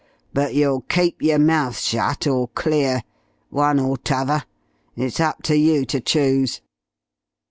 But you'll keep yer mouth shut, or clear. One or t'other. It's up ter you ter choose."